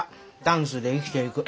ダンスで生きていく。